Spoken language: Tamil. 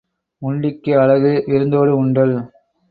உண்டிக்கு அழகு விருந்தோடு உண்டல்.